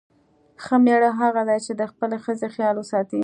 ښه میړه هغه دی چې د خپلې ښځې خیال وساتي.